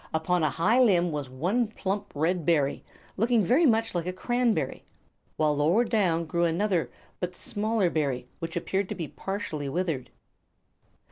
Upon a high limb was one plump, red berry, looking much like a cranberry, while lower down grew another but smaller berry, which appeared to be partially withered.